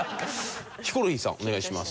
ヒコロヒーさんお願いします。